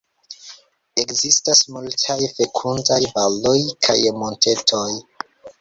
Ekzistas multaj fekundaj valoj kaj montetoj.